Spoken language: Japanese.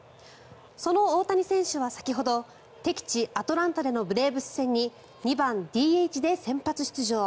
その大谷選手は先ほど敵地アトランタでのブレーブス戦に２番ＤＨで先発出場。